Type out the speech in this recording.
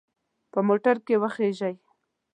په موټر کې وخیژئ.